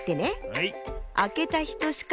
はい！